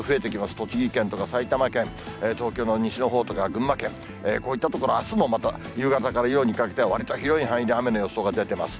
栃木県とか埼玉県、東京の西のほうとか群馬県、こういった所、あすもまた夕方から夜にかけては、わりと広い範囲で雨の予想が出てます。